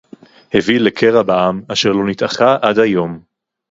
הביא לקרע בעם אשר לא נתאחה עד היום